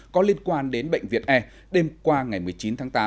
có liên quan đến bệnh viện e đêm qua ngày một mươi chín tháng tám